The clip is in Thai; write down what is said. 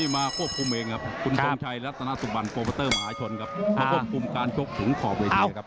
มาควบคุมการชกถุงขอบเวทียร์ครับ